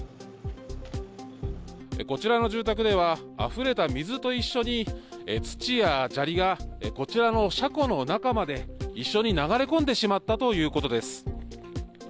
こちらの住宅では、あふれた水と一緒に、土や砂利がこちらの車庫の中まで一緒に流れ込んでしまったということです。